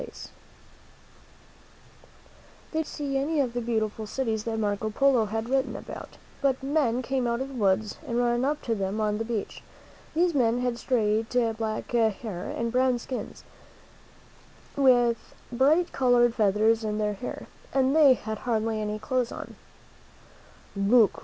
They did not see any of the beautiful cities that Marco Polo had written about, but men came out of the woods and ran up to them on the beach. These men had straight black hair and brown skins, with bright colored feathers in their hair, and they had hardly any clothes on. "Look!